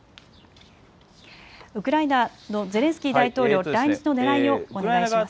ウクライナのゼレンスキー大統領来日のねらいをお願いします。